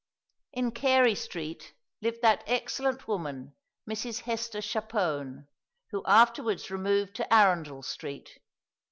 In Carey Street lived that excellent woman Mrs. Hester Chapone, who afterwards removed to Arundel Street.